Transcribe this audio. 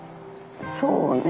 そうね。